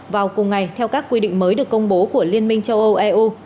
vào cùng ngày theo các quy định mới được công bố của liên minh châu âu eu